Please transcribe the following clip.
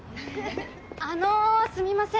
あのすみません。